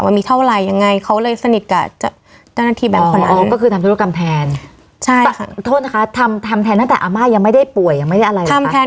ว่ามีเท่าไรยังไงเขาเลยสนิทกับเจ้าหน้าที่แบบคนนั้น